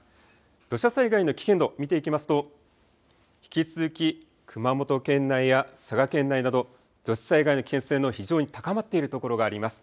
土砂災害の危険度、見ていきますと引き続き熊本県内や佐賀県内など土砂災害の危険性の非常に高まっている所があります。